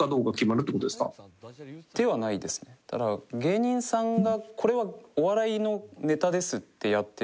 だから芸人さんがこれはお笑いのネタですってやってる。